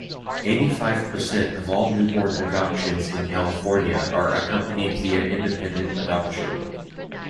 Eighty-five percent of all newborn adoptions in California are accomplished via independent adoption.